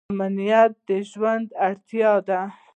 امنیت د ژوند اړتیا ده